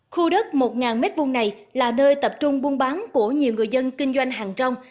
khu đất một m hai này là nơi tập trung buôn bán của nhiều người dân kinh doanh hàng trong